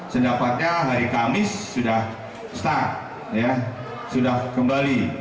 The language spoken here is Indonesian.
sedapatnya hari kamis sudah start ya sudah kembali